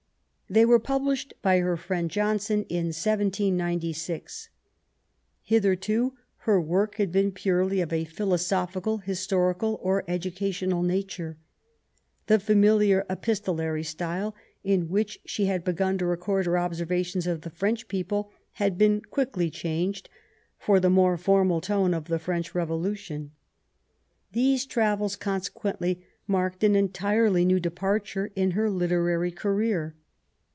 They were published by her friend Johnson in 1796. Hitherto, her work had been purely of a philosophical, historical, or educational nature. The familiar episto lary style in which she had begun to record her observations of the French people had been quickly changed for the more formal tone of the French Revolution. These travels, consequently, marked an entirely new departure in her literary career.